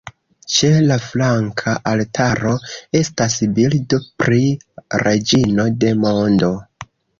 Ĉe la flanka altaro estas bildo pri "Reĝino de Mondo".